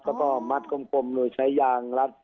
แล้วก็มัดกลมโดยใช้ยางรัด